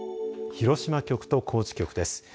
広島局と高知局です。